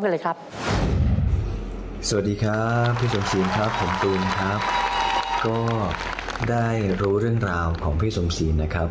สวัสดีครับพี่สมสีรครับผมตูนครับ